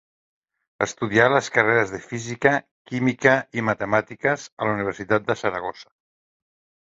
Estudià les carreres de física, química i matemàtiques a la Universitat de Saragossa.